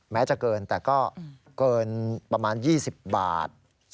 แม้จะเกินแต่ก็เกินประมาณ๒๐บาท